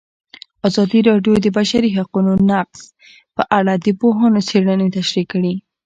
ازادي راډیو د د بشري حقونو نقض په اړه د پوهانو څېړنې تشریح کړې.